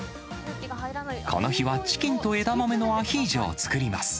この日はチキンと枝豆のアヒージョを作ります。